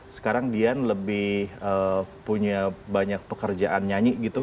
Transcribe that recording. sekarang dian lebih punya banyak pekerjaan nyanyi gitu